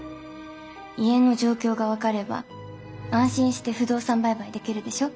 家の状況が分かれば安心して不動産売買できるでしょ。